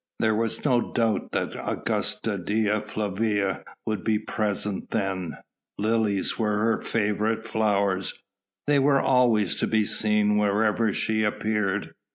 There was no doubt that the Augusta Dea Flavia would be present then, lilies were her favourite flowers, they were always to be seen wherever she appeared.